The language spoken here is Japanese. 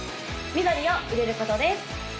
緑を入れることです